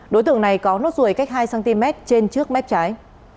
đối tượng này có nốt ruồi cách hai cm trên trước mép trái